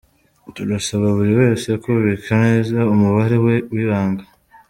Turasaba buri wese kubika neza umubare we w’ibanga.